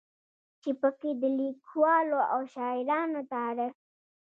چې پکې د ليکوالو او شاعرانو تعارف